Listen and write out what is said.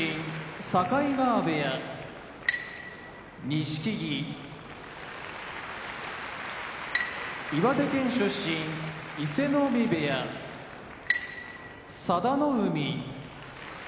境川部屋錦木岩手県出身伊勢ノ海部屋佐田の海